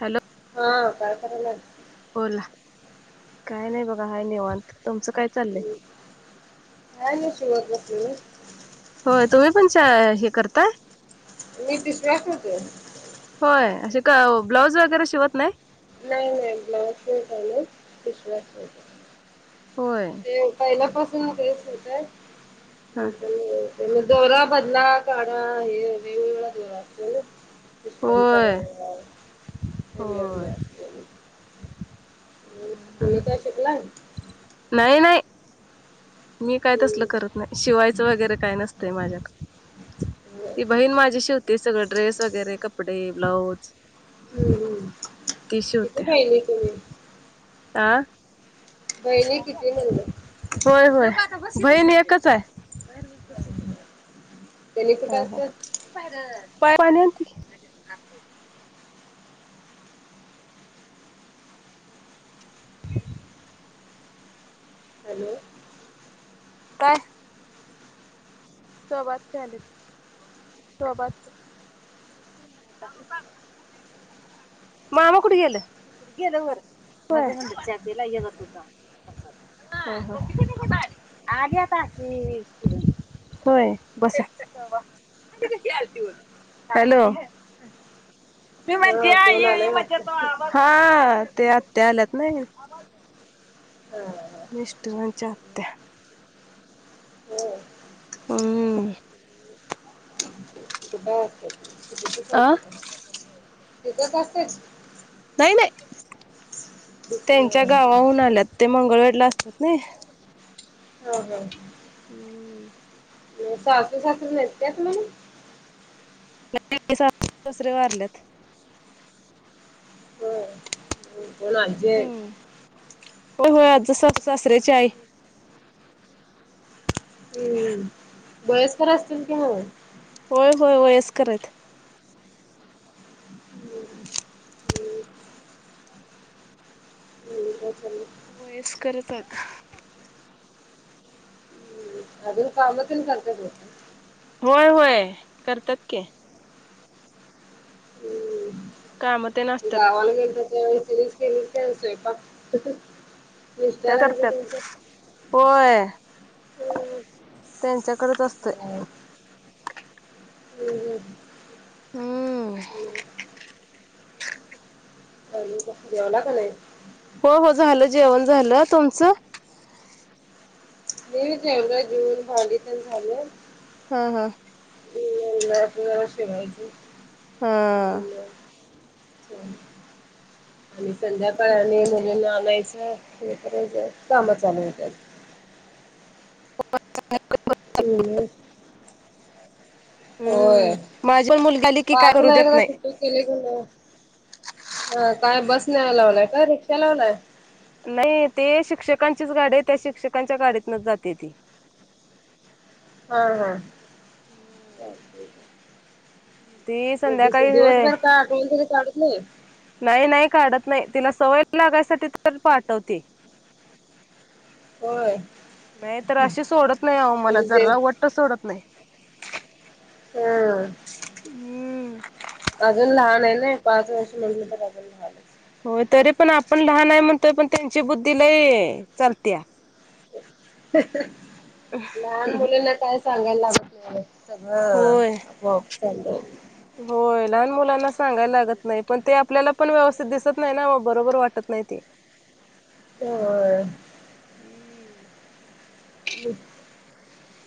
Hello, हं काय कारायलाय? बोला, काय नाही बघा हाये निवांत, तुमचं काय चाललंय? हा मी शवत [unintelligible] होय, तुम्ही पण च हे करताय? नही तशी आग होतीये. [unintelligible] होय अशे का ब्लाऊज वगैरे शिवत नाही? नाही- नाही ब्लावस नाही शिवत मी, पिशव्या च शिवतिचे. होय, ते पहिल्यापासून तेच येतयं. हा, दोरा बदला, काढा हे दोरा [unintelligible] मध्ये जातो. विशन होय स हे [unintelligible] तुम्ही हं-हं, काय शिकलाय नाही -नाही. मी काय तसलं हम्म. करत नाही, शिवायचं वगैरे काय नसतंय माझ्याक ती बहीण माझी शिवते सगळं ड्रेस वगैरे कपडे, ब्लाऊज हम्म- हम्म, ती किती शिवते. बहिणी तुम्ही? आ, बहिणी किती म्हणलं होय -होय बहीण एकच आहे. केले कि पार्सल पारा नेवु की हॅलो, काय? शोभा आत्या आलित, कोन?... शोभा आत्या. मामा कुडं गेले? गेलं वर, चहा प्यायला येनत होता हा-हा, आलीये आता आशिच. होय बसा, हॅलो, मी हा म्हणत्या कोण ये ये आलंय म वाटतं देतो आवाज,,, हा ते आत्या आल्यात नायी. बरं, मिस्टरा च्या हो हम्, कुठं आसतेत? अं, ते इथंच असतेच? नाही -नाही त्यांच्या दुसरं गावाहून आल्यात ते मंगळवेढला असतात ना यी [unintelligible] हू! मं सासू सासरे नेत्यात म्हणून. नाही सासूं सासरे वारल्यात. हो ना जे. हम्म होय होय, आमच सासू सासरेची आई. हू वयस्कर असतील कि मं. होय होय वयस्कर आहेत. हम्म हम्म, काय चाललंय वयसकर येतात. हम्म अजून कामात तेन करत्यात. होय होय करतात की! काम तेन मी असतात. गावाला गेली तर त्यावेळी तिनेचं केली त्यानं स्वयपाक. त्या करत्यात. होय हम्म त्यांच्याकडच असतय. हम्म हम्म हू! हम्म [unintelligible] जेवला का नाही? हो हो झालं जेवण झालं तुमचं? मी जेवलो जेवून भांडी तेन झाले. हा हा! [unintelligible] हा! आणि संध्याकाळ आणि मुलींना आणायचं. हे करायच काम चालू होत्यात. [unintelligible] हम्म होय माझी पण मुलगी आली की काय पाच करू ला देत एकदा नाही. सुट्टी केले [unintelligible] ह काय बस न्याया लावलाय काय, रिक्षा लावलाय? नाही ते शिक्षकांचीच गाडी ये त्या शिक्षकांच्या गाडीतन च जाते येती. हा हा! ती संध्याकाळी दिवसभर काय [unintelligible] नाही नाही काढत नाही, तिला सवय लागायसाठी तर पाठवते. होय. नाही तर अशी सोडत नाही आओ मला जर म्हणजे ते वट्ट सोडत नाही. हं! हू! अजून लहान आहे ना. पाच वर्ष म्हणलं बराबर झाल. होय तरी पण आपण लहान आहे म्हणतोय, पण त्यांची बुद्धी लयी चालतिया. लहान मुलींना काय सांगायला लागत नाही. होय [unintelligible] होय लहान मुलांना सांगायला लागत नाही, पण ते आपल्याला पण व्यवस्थित दिसत नाही ना, बरोबर वाटत नाही ते. [unintelligible]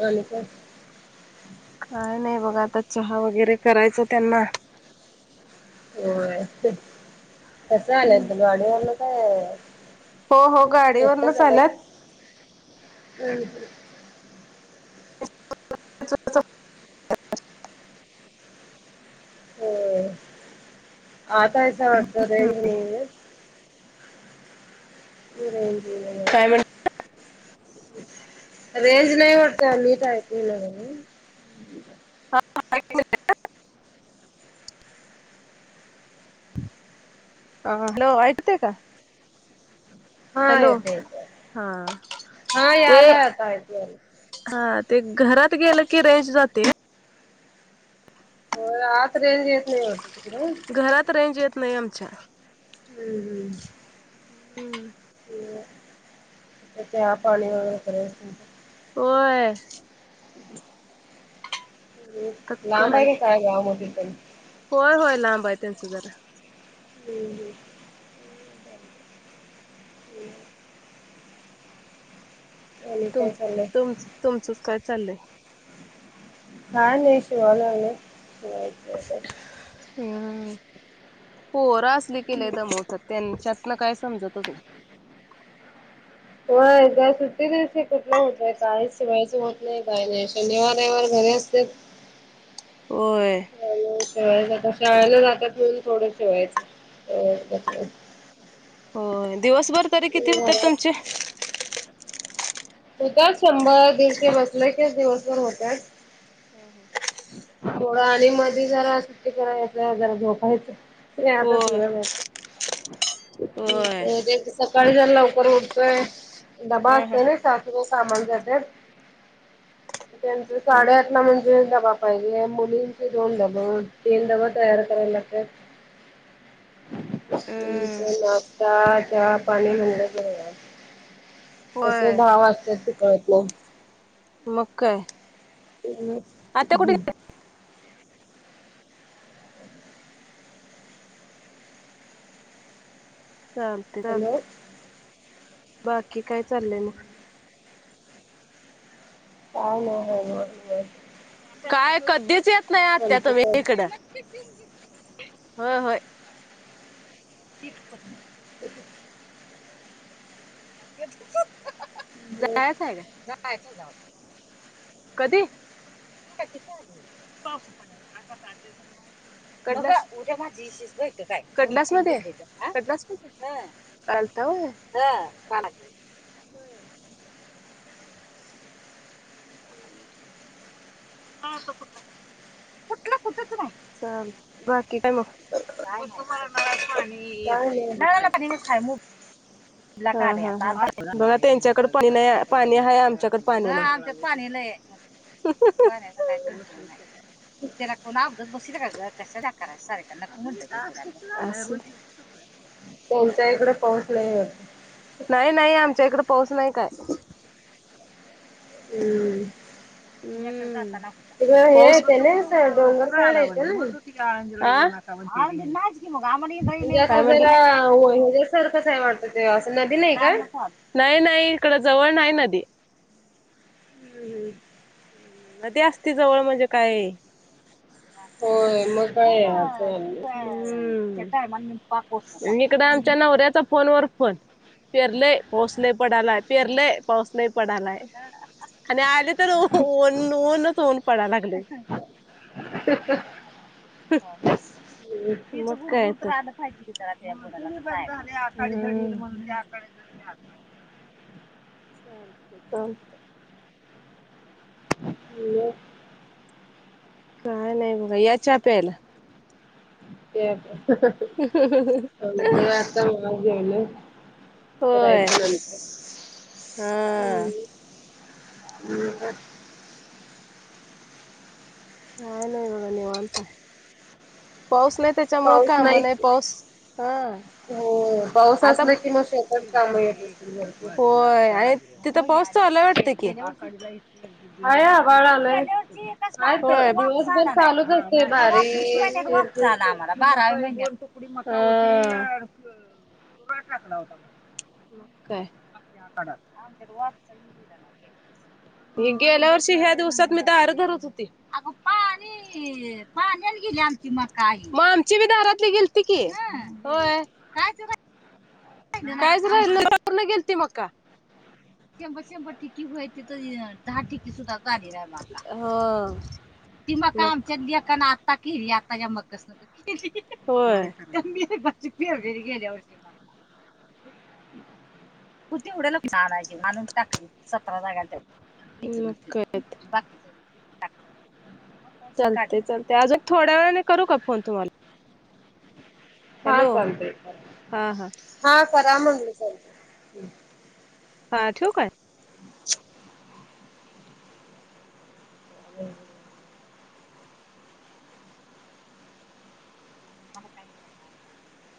आणी काय? काय नाही बघा, आता चहा वगैरे करायचा त्यांना. होय कस आलंयात गाडीवरन काय? हो हो गाडीवरन चं आल्यात. [unintelligible] [unintelligible] हो, आता इथे [unintelligible] रेंज नाहीये ना. रेंज [unintelligible] काय म्हण रेंज नाही वाढते, नीट ऐकू येईना म्हणून. [unintelligible] ह हॅलो, ऐकते का? हा, हॅलो येतो येतोय. हा हा, ते यालाय आता ऐकू यायला. हा ते घरात गेलं की रेंज जाते होय आत रेंज येत नाही वाटतं तिकडें. घरात रेंज येत नाही आमच्या. हम्म, हम्म. [unintelligible] चहा, पाणी वगैरे [unintelligible] होय. आता लांब कराय हाय का काय गावामधून पण.? होय होय, लांब आहे त्यांच जरा. हम्म, हम्म. [unintelligible] आणि तुम काय चाललंय? तुम तुमचंच काय चाललंय? काय नाही [unintelligible] पोरं असली की लई दमवत्यात. त्यांच्यातन काय समजतच नाही. त्या सुट्टी दिवशी कुठलं होतय. काही शिवायचं होत नाही, काही नाही. शनिवार, रविवार घरी असतेत. होय. शिवायचं. आता शाळेला जात्यात म्हणून थोडं शिवायचं. होय, दिवसभर तरी किती होतेत घरात तुमचे? [unintelligible] शंभर, दीडशे बसले की दिवसभर होत्यात. हा हं. थोडं आणि मध्ये जरा सुट्टी करायचं, जरा झोपायचं. [unintelligible] ते होय होय ते सकाळी जरा लवकर उठतोय, डबा ह असतोय ना सात हे कामाला जात्यात त्यांची ह साडेआठला म्हणजे डबा पाहिजे. मुलींचे दोन डब, तीन डबे तयार करायला लागत्यात. हम् नाश्ता, चहा, पाणी [unintelligible] कसं होय. दहा वाजत्यात ती कळतं नाही. मग काय. आता कुठे [unintelligible] चालते हॅलो चालतय, बाकी काय चाललंय मग? काय नाही [unintelligible] निवांत. काय कधीच येत नाही आत्त्या आमचं तुम्ही काय इकड. हो, होय. [unintelligible] [unintelligible] काय जायाचा हाय का? कधी? क उद्या माझीस बत काय कनलास मध्ये आहे कनलास [inaudible] काल आलता होय. कुठ [inaudible] कुठलं कुठच नाय. पा नाही नळ पाणी खय मग [inaudible] बघा त्यांच्याकड पहिला पाणी आहे आमच्याकड पाणी पाणी नाही. [inaudible] तेला कोणा अबदत बस कस कराय सार्याक न [inaudible] त [inaudible] तुमच्याकडे पाऊस लय हाय नाही नाही आमच्या इकड पाऊस नाही काय. हम्म [inaudible] तिकडं हे ळज येते ना डोंगर साईड येते ना. [inaudible] मुगामणी [inaudible] म्हणजे असं जरा हच्या्यासारखं काय वाटतं ते असं नदी नाही काय? नाही नाही इकडं जवळ नाही नदी. हम्म हम्म नदी असती जवळ म्हणजे काय होय मग काय. इकडे आमच्या नवऱ्याचा फोन वर फोन. पिरलय पाऊस लय पडालाय, पिरलय पाऊस लय पडालाय. आणि आले तर ऊनच ऊन पडायाला लागले. [inaudible] मग काय तर. [inaudible] चालते चालते. मग काय नाही बघा या चहा प्यायला. ता माजन [inaudible] होय हम् हा आणि. [inaudible] काय नाही बघा निवांत हाय पाऊस नाही त्याच्यामुळं काम नाही. हो पाऊस आता असला कि मग शेतात कामं येत असतील भरपूर. होय. तिथं पाऊस चालू आहे वाटते की. ंवर हाय आभाळ आलंय. हाय तर लाब दिवसभर चालूच असते बारीक वाप [inaudible] चाला चिरचिर आम्हाला बारावी म्हणजे. [inaudible] टाकला होता आमच्यात मग काय. [inaudible] ही गेल्या वर्षी ह्या दिवसात मी दार धरत होती. अग पाणी. पाण्याला गेल्यावर आमची पण दारातली गेलती की. होय कायच राहिल नाही [inaudible] ठिकी तिथं दहा ठोके सुद्धां झाली नाही मका ती मका आमच्या लेकान आता केली आताच्या मकसंग. होय [inaudible] [inaudible] म तेवढं लोक, [unintelligible] आणून टाकली सतरा जागेवर. मग काय तर. [unintelligible] चालतंय चालतंय, अजून थोड्या वेळाने करू का फोन तुम्हाला? हा हॅलो चालते. [inaudible] हा करा म्हटलं चालते. हा ठेव काय? [unintelligible] [inaudible]